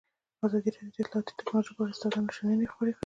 ازادي راډیو د اطلاعاتی تکنالوژي په اړه د استادانو شننې خپرې کړي.